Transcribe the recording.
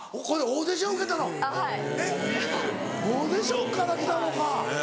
オーディションから来たのか！